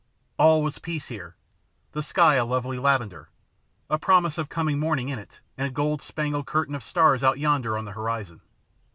All was peace here; the sky a lovely lavender, a promise of coming morning in it, and a gold spangled curtain of stars out yonder on the horizon.